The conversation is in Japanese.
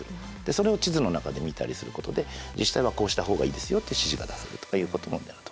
それを地図の中で見たりすることで自治体はこうした方がいいですよって指示が出せるとかいうことも。